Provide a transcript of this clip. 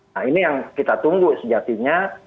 nah ini yang kita tunggu sejatinya